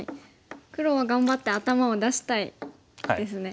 黒は頑張って頭を出したいですね。